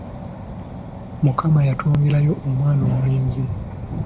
Mukama yatwongerayo omwana omulenzi.